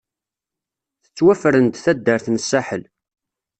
Tettwafren-d taddart n Saḥel.